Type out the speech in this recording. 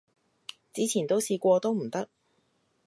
之前都試過都唔得